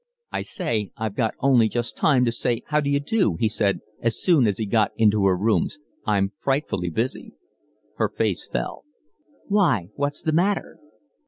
"I say, I've got only just time to say how d'you do," he said, as soon as he got into her rooms. "I'm frightfully busy." Her face fell. "Why, what's the matter?"